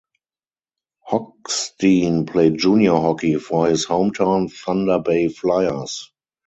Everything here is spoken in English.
Hoogsteen played junior hockey for his hometown Thunder Bay Flyers.